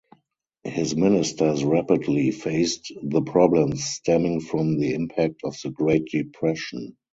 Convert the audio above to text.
His ministers rapidly faced the problems stemming from the impact of the Great Depression.